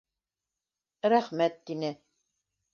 «рәхмәт» тине.